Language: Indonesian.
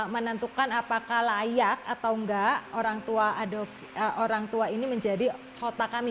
menentukan apakah layak atau enggak orang tua orang tua ini menjadi cota kami